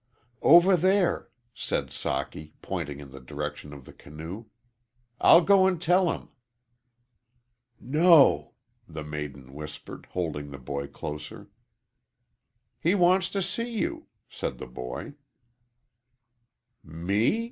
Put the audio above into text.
"Over there," said Socky, pointing in the direction of the canoe. "I'll go and tell him." "No," the maiden whispered, holding the boy closer. "He wants to see you," said the boy, "Me?